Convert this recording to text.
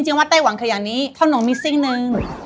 จริงว่าใต้วังคลิกนี้เขาน้องมีซิ่งนึง